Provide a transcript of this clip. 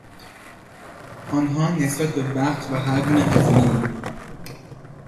آنها نسبت به وقت و هرگونه هزینه ای